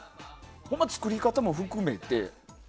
作り方も含めて。